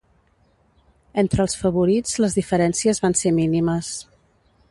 Entre els favorits les diferències van ser mínimes.